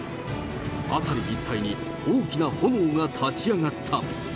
辺り一帯に大きな炎が立ち上がった。